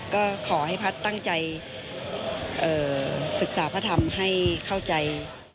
ก็ขอให้พัฒน์ตั้งใจศึกษาพระธรรมให้เข้าใจ